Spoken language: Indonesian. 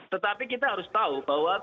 tetapi kita harus tahu bahwa